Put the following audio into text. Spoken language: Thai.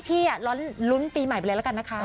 พี่อ่ะร้อนรุ้นปีใหม่ไปแล้วกันนะคะ